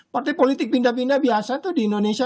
partai politik pindah pindah biasa tuh di indonesia